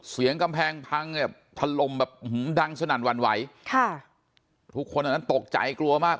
เสียงกำแพงพังแบบทะลมแบบหื้มดังสนั่นหวั่นไหวทุกคนตกใจกลัวมาก